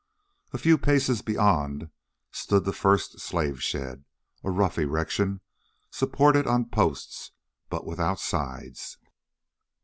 A few paces beyond stood the first slave shed, a rough erection supported on posts, but without sides.